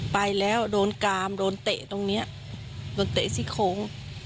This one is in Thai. ไปแล้วโดนกรรมโดนเตะตรงเนี่ยสิ่งที่โดนเตะสี่โคน